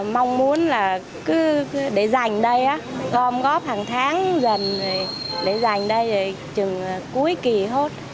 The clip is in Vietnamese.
mong muốn là cứ để dành đây gom góp hàng tháng gần để dành đây chừng cuối kỳ hốt